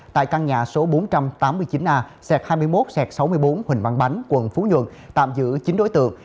tại căn nhà số bốn trăm tám mươi chín a xẹt hai mươi một st sáu mươi bốn huỳnh văn bánh quận phú nhuận tạm giữ chín đối tượng